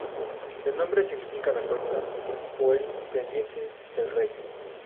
El nombre significa la "Cuesta" o el "Pendiente" del Rey.